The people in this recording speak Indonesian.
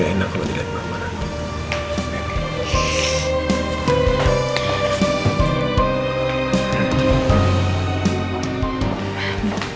gak enak kalau dilihat kemana mana